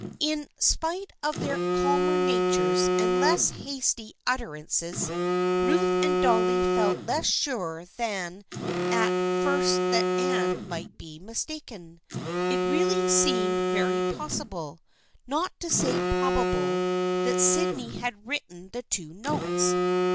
In spite of their calmer natures and less hasty utter ances, Ruth and Dolly felt less sure than at first that Anne might be mistaken. It really seemed very possible, not to say probable, that Sydney had written the two notes.